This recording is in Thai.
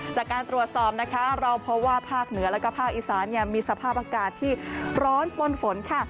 จากการตรวจสอบนะคะเราพบว่าภาคเหนือแล้วก็ภาคอีสานมีสภาพอากาศที่ร้อนปนฝนค่ะ